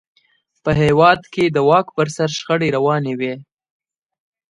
په هېواد کې د واک پر سر شخړې روانې وې.